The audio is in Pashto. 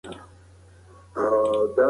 هغه د ښار د نیولو لپاره لومړی اقدام وکړ.